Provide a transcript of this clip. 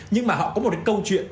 nhưng mà họ có một câu chuyện